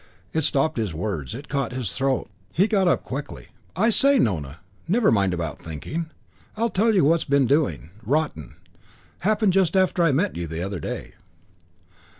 It stopped his words. It caught his throat. IV He got up quickly. "I say, Nona, never mind about thinking. I'll tell you what's been doing. Rotten. Happened just after I met you the other day."